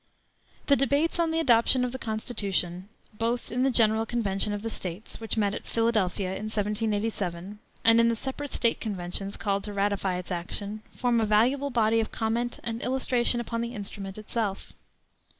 The debates on the adoption of the Constitution, both in the General Convention of the States, which met at Philadelphia in 1787, and in the separate State Conventions called to ratify its action, form a valuable body of comment and illustration upon the instrument itself.